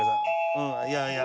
うんいやいや。